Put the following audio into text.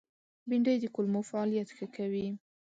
بېنډۍ د کولمو فعالیت ښه کوي